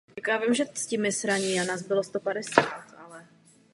V Curychu byl mezi jeho spolupracovníky Friedrich Adler.